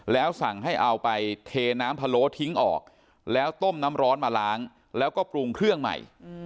แล้วสั่งให้เอาไปเทน้ำพะโล้ทิ้งออกแล้วต้มน้ำร้อนมาล้างแล้วก็ปรุงเครื่องใหม่